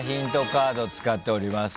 カード使っております。